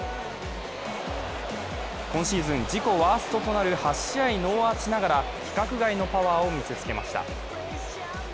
今シーズン自己ワーストとなる８試合ノーアーチながら、規格外のパワーを見せつけました。